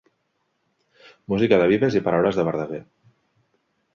Música de Vives i paraules de Verdaguer.